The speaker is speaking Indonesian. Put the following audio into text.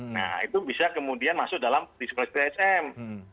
nah itu bisa kemudian masuk dalam diskulasi sm